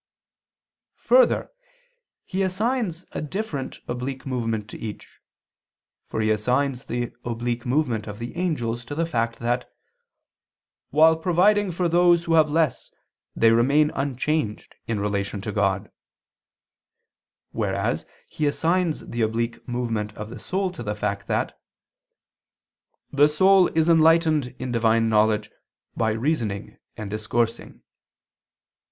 Further, he assigns a different oblique movement to each. For he assigns the oblique movement of the angels to the fact that "while providing for those who have less they remain unchanged in relation to God": whereas he assigns the oblique movement of the soul to the fact that "the soul is enlightened in Divine knowledge by reasoning and discoursing."